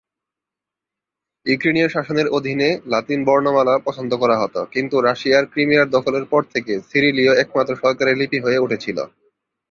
ইউক্রেনীয় শাসনের অধীনে, লাতিন বর্ণমালা পছন্দ করা হতো, কিন্তু রাশিয়ার ক্রিমিয়ার দখলের পর থেকে সিরিলীয় একমাত্র সরকারী লিপি হয়ে উঠেছিল।